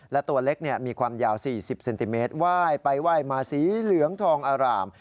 และตัวเล็กมีความยาว๔๐เซนติเมตรไหว้ไปไหว้มาสีเหลืองทองอร่าม